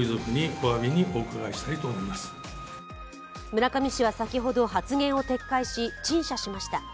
村上氏は先ほど発言を撤回し陳謝しました。